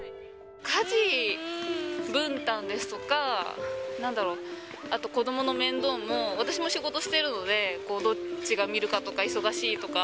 家事分担ですとか、なんだろう、あと子どもの面倒も、私も仕事してるので、どっちが見るかとか、忙しいとか。